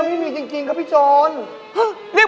พี่ผมพี่โจรอีก